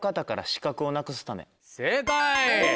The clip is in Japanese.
正解！